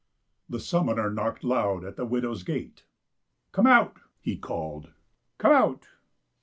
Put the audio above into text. The summoner knocked loud at the widow's gate. Come out," he called, " come out."